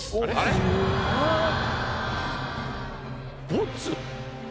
ボツ？